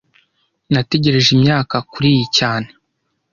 Nategereje imyaka kuriyi cyane